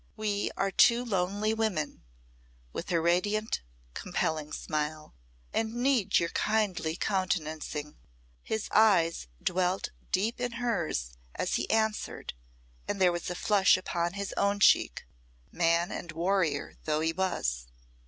"We are two lonely women," with her radiant compelling smile, "and need your kindly countenancing." His eyes dwelt deep in hers as he answered, and there was a flush upon his own cheek, man and warrior though he was.